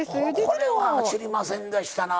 これは知りませんでしたな。